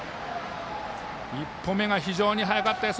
１歩目が非常に早かった。